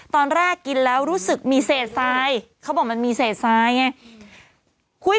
ตอนแรกกินแล้วรู้สึกมีเศษทรายเขาบอกมันมีเศษทรายไง